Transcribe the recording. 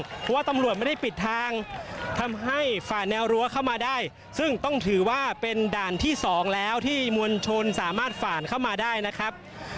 เพราะว่าตำรวจไม่ได้ปิดทางทำให้ฝ่าแนวรั้วเข้ามาได้ซึ่งต้องถือว่าเป็นด่านที่สองแล้วที่มวลชนสามารถฝ่านเข้ามาได้นะครับ